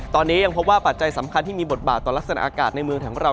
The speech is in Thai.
ตอนนี้ยังพบว่าปัจจัยสำคัญที่มีบทบาทต่อลักษณะอากาศในเมืองของเรา